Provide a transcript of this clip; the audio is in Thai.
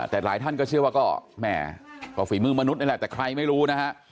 แต่หลายท่านก็เชื่อว่าก็แม่ก็ฝีมือมนุษย์นี่แหละแต่ใครไม่รู้นะฮะ